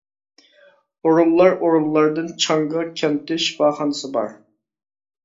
ئورۇنلار ئورۇنلاردىن چاڭگا كەنتى شىپاخانىسى بار.